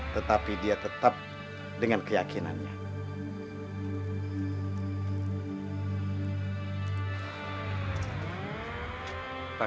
tetapi dia tetap dengan keyakinannya